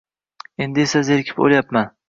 Endi esa zerikib oʼlyapman.